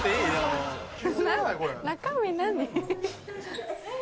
中身何？